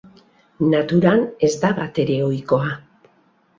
Naturan ez da batere ohikoa.